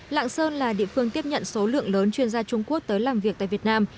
lạng sơn là địa phương tiếp nhận số lượng lớn chuyên gia trung quốc tới làm việc tại việt nam